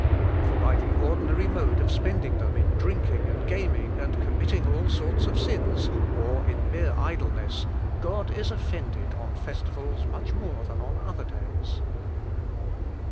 For by the ordinary mode of spending them in drinking and gaming and committing all sorts of sins, or in mere idleness, God is offended on festivals much more than on other days."